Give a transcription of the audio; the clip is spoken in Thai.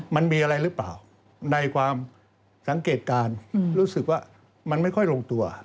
มันมีอะไรหรือเปล่าในความสังเกตการณ์รู้สึกว่ามันไม่ค่อยลงตัว